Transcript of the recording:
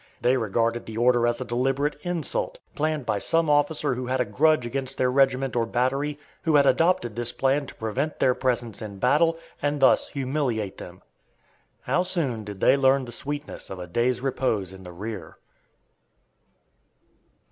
They regarded the order as a deliberate insult, planned by some officer who had a grudge against their regiment or battery, who had adopted this plan to prevent their presence in battle, and thus humiliate them. How soon did they learn the sweetness of a day's repose in the rear!